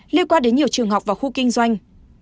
liên quan đến nhiều trường học và khu kinh doanh